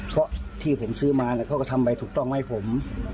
เพราะที่ผมซื้อมาเขาก็ทำใบถูกต้องมาให้ผม